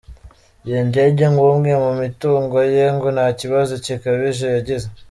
Iyi ndege nk’umwe mu mitungo ye, ngo nta kibazo gikabije yagize .